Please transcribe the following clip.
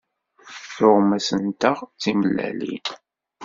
Tuɣmas-nteɣ d timellalin.